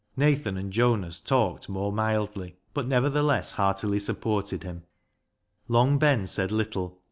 Nathan and Jonas talked more mildly, but, nevertheless, heartily supported him. Long Ben said little.